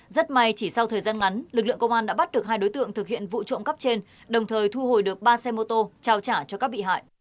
rất may chỉ sau thời gian ngắn lực lượng công an đã bắt được hai đối tượng thực hiện vụ trộm cắp trên đồng thời thu hồi được ba xe mô tô trao trả cho các bị hại